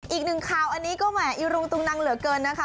อีกหนึ่งข่าวอันนี้ก็แหมอีรุงตุงนังเหลือเกินนะคะ